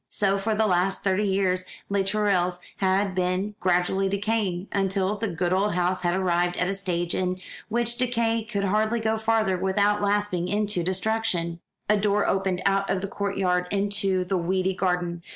So for the last thirty years Les Tourelles had been gradually decaying, until the good old house had arrived at a stage in which decay could hardly go farther without lapsing into destruction. A door opened out of the court yard into the weedy garden.